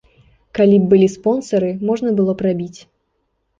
Калі б былі спонсары, можна было б рабіць.